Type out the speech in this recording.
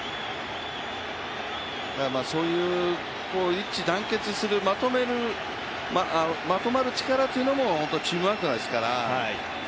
そういう一致団結するまとまる力というのもチームワークですから。